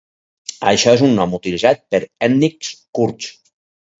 Això és un nom utilitzat per ètnics kurds.